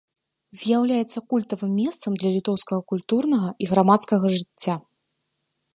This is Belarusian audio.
З'яўляецца культавым месцам для літоўскага культурнага і грамадскага жыцця.